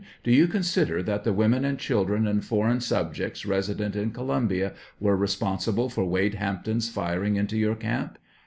Do you consider that the women and children, and foreign subjects resident in Columbia, were respon sible for Wade Hampton's firing into your camp